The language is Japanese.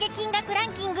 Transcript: ランキング